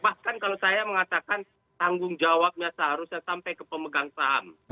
bahkan kalau saya mengatakan tanggung jawabnya seharusnya sampai ke pemegang saham